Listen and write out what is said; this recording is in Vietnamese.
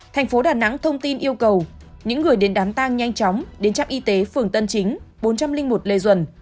thành phố đà nẵng thông tin yêu cầu những người đến đám tang nhanh chóng đến trạm y tế phường tân chính bốn trăm linh một lê duẩn